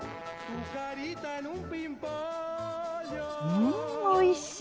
うんおいしい！